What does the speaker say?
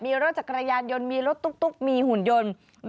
มีรถจักรยานยนต์มีรถตุ๊กมีหุ่นยนต์